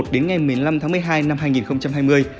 đến ngày một mươi năm tháng một mươi hai năm hai nghìn hai mươi